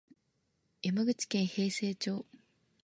山口県平生町